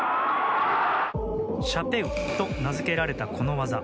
シャペウと名付けられたこの技。